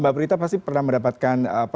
mbak prita pasti pernah mendapatkan